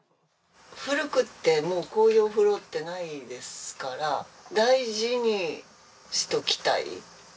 古くってもうこういうお風呂ってないですから大事にしておきたい。